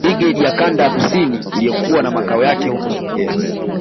Brigedi ya Kanda ya Kusini iliyokuwa na makao yake huko Songea